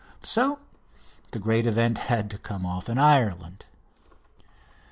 So the great event had to come off in Ireland.